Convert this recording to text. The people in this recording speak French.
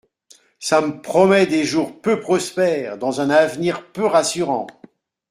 Ca m’promet des jours peu prospères Dans un av’nir peu rassurant !